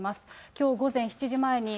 きょう午前７時前に、